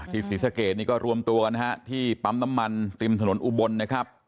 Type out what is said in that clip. ศรีสะเกดนี่ก็รวมตัวกันนะฮะที่ปั๊มน้ำมันติมถนนอุบลนะครับ